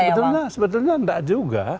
ya sebetulnya sebetulnya tidak juga